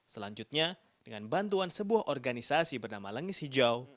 selanjutnya dengan bantuan sebuah organisasi bernama lengis hijau